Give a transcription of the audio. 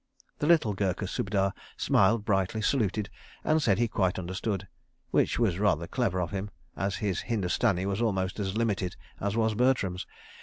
The little Gurkha Subedar smiled brightly, saluted, and said he quite understood—which was rather clever of him, as his Hindustani was almost as limited as was Bertram's.